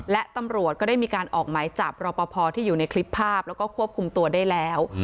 และตำรวจก็ได้มีการออกหมายจับรอปภที่อยู่ในคลิปภาพแล้วก็ควบคุมตัวได้แล้ว